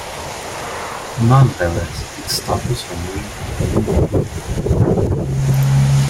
Nonetheless, its status remained in limbo.